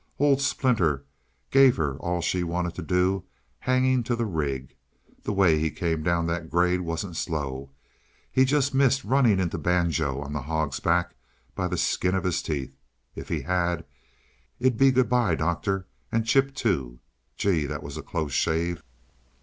"Old Splinter gave her all she wanted to do, hanging to the rig. The way he came down that grade wasn't slow. He just missed running into Banjo on the Hog's Back by the skin of the teeth. If he had, it'd be good by, doctor and Chip, too. Gee, that was a close shave!"